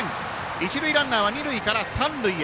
一塁ランナーは二塁から三塁へ。